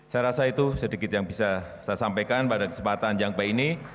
saya rasa itu sedikit yang bisa saya sampaikan pada kesempatan yang baik ini